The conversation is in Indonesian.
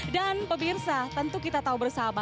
dan pebirsa tentu kita tahu bersama